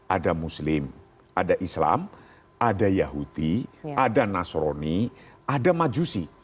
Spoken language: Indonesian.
ada muslim ada islam ada yahudi ada nasroni ada majusi